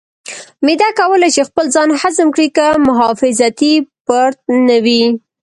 معده کولی شي خپل ځان هضم کړي که محافظتي پرت نه وي.